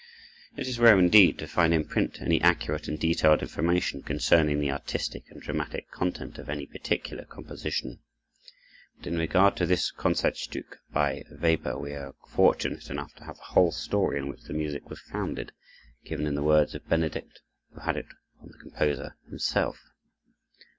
It is rare indeed to find in print any accurate and detailed information concerning the artistic and dramatic content of any particular composition; but in regard to this Concertstück by Weber, we are fortunate enough to have the whole story on which the music was founded given in the words of Benedict, who had it from the composer himself.